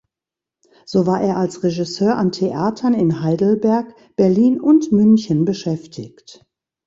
So war er als Regisseur an Theatern in Heidelberg, Berlin und München beschäftigt.